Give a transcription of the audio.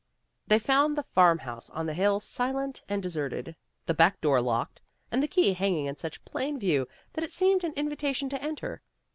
They found the farm house on the hill silent and deserted, the back door locked, and the key hanging in such plain view that it seemed an invitation to enter.